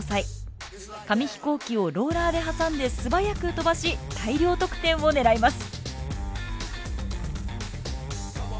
紙飛行機をローラーで挟んで素早く飛ばし大量得点を狙います。